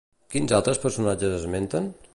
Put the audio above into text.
Quins altres personatges esmenten?